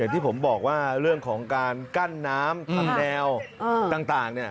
ที่ผมบอกว่าเรื่องของการกั้นน้ำทำแนวต่าง